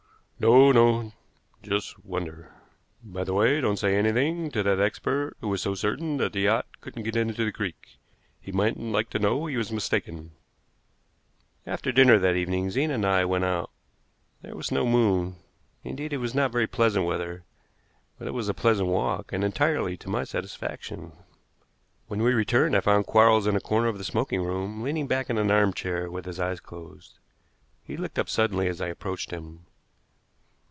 "No, no; just wonder. By the way, don't say anything to that expert who was so certain that the yacht couldn't get into the creek. He mightn't like to know he was mistaken." After dinner that evening Zena and I went out. There was no moon; indeed, it was not very pleasant weather, but it was a pleasant walk, and entirely to my satisfaction. When we returned I found Quarles in a corner of the smoking room leaning back in an armchair with his eyes closed. He looked up suddenly as I approached him.